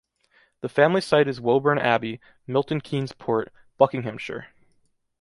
The family site is Woburn Abbey, Milton Keynes port, Buckinghamshire.